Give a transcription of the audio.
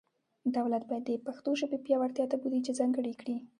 دولت باید د پښتو ژبې پیاوړتیا ته بودیجه ځانګړي کړي.